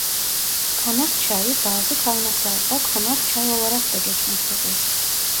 Kanak çayı bazı kaynaklarda Konakçay olarak da geçmektedir.